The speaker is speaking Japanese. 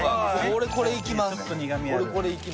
俺これいきます。